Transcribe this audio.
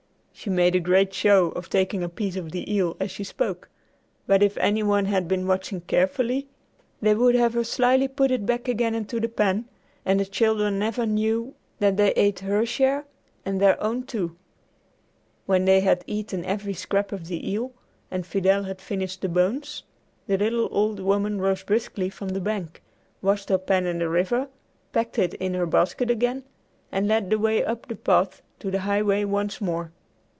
She made a great show of taking a piece of the eel as she spoke, but if any one had been watching carefully, they would have her slyly put it back again into the pan, and the children never knew that they ate her share and their own, too. When they had eaten every scrap of the eel, and Fidel had finished the bones, the little old woman rose briskly from the bank, washed her pan in the river, packed it in her basket again, and led the way up the path to the highway once more.